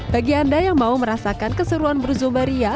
bagi anda yang mau merasakan keseruan berzubaria